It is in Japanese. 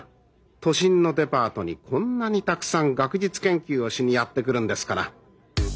都心のデパートにこんなにたくさん学術研究をしにやって来るんですから」。